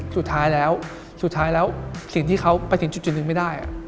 สุดท้ายแล้วสิ่งที่เขาประสิทธิ์จุดนึงไม่ได้